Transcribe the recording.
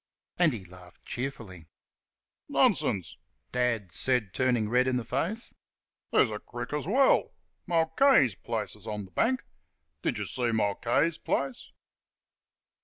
And he laughed cheerfully. "Nonsense!" Dad snapped, turning red in the face; "there's a crick as well. Mulcahy's place is on th' bank. Did you see Mulcahy's place?"